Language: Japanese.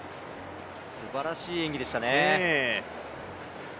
すばらしい演技でしたね。